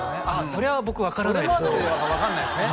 そりゃ僕分からないですね